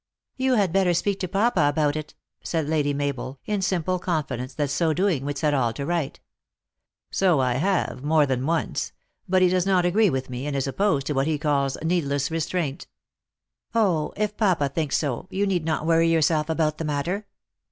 " You had better speak to papa about it," said Lady Mabel, in simple confidence that so doing would set all to right. " So I have, more than once. But he does not agree with me, and is opposed to what he calls need less restraint." " Oh, if papa thinks so, you need not worry your self about the matter.